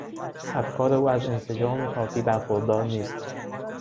افکار او از انسجام کافی برخوردار نیست.